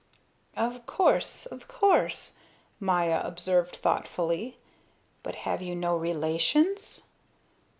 "Of course, of course," Maya observed thoughtfully. "But have you no relations?"